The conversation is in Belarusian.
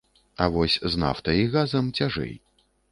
А вось з нафтай і газам цяжэй.